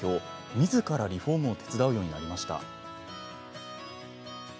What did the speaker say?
みずからリフォームを手伝うようになりました。